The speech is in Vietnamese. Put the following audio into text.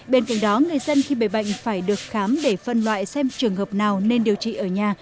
bên cạnh đó người dân khi bệnh phải được khám để phân loại xem trường hợp nào nên điều trị ở nhà